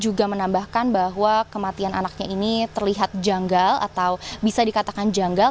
juga menambahkan bahwa kematian anaknya ini terlihat janggal atau bisa dikatakan janggal